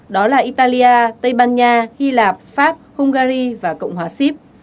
đó là italia tây ban nha hy lạp pháp hungary và cộng hòa sip